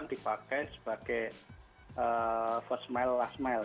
ini bisa saja nanti misalkan dipakai sebagai first mile last mile